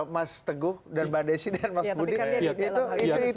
mas teguh dan mbak desi dan mas budi